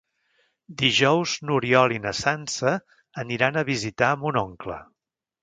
Dijous n'Oriol i na Sança aniran a visitar mon oncle.